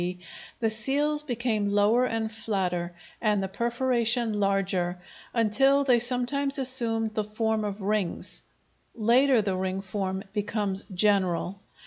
D., the seals became lower and flatter, and the perforation larger, until they sometimes assumed the form of rings; later the ring form becomes general.